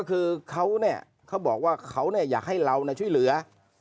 คือเขาเนี่ยเขาบอกว่าเขาอยากให้เราช่วยเหลือ